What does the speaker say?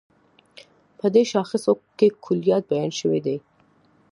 په دې شاخصو کې کُليات بیان شوي دي.